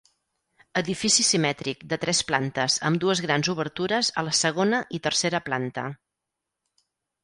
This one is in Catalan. Edifici simètric, de tres plantes amb dues grans obertures a la segona i tercera planta.